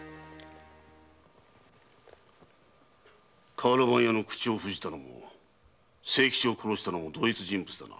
瓦版屋の口を封じたのも清吉を殺したのも同一人物だな。